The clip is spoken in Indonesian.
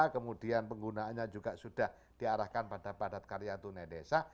kemudian penggunaannya juga sudah diarahkan pada padat karya tunai desa